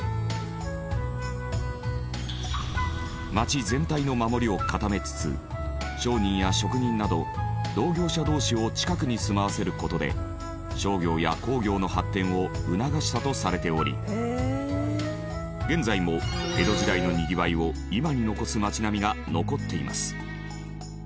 町全体の守りを固めつつ商人や職人など同業者同士を近くに住まわせる事で商業や工業の発展を促したとされており現在も江戸時代のにぎわいを今に残す町並みが残っています。